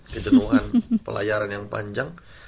kejenuhan pelayaran yang panjang